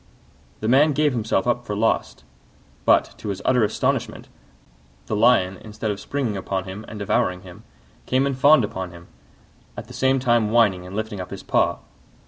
The man gave himself up for lost: but, to his utter astonishment, the Lion, instead of springing upon him and devouring him, came and fawned upon him, at the same time whining and lifting up his paw.